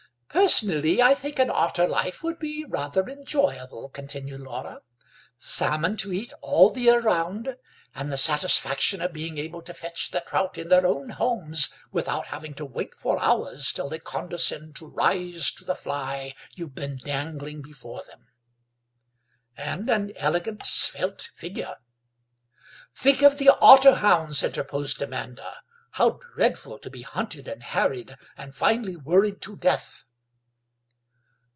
"Personally I think an otter life would be rather enjoyable," continued Laura; "salmon to eat all the year round, and the satisfaction of being able to fetch the trout in their own homes without having to wait for hours till they condescend to rise to the fly you've been dangling before them; and an elegant svelte figure—" "Think of the otter hounds," interposed Amanda; "how dreadful to be hunted and harried and finally worried to death!"